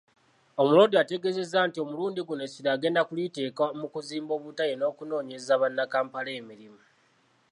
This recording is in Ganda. Omuloodi ategeezezza nti omulundi guno essira agenda okuliteeka mu kuzimba obutale n'okunoonyeza bannakampala emirimu.